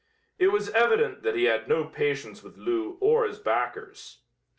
It was evident that he had no patience with Loups or his backers.